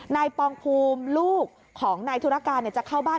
ปองภูมิลูกของนายธุรการจะเข้าบ้าน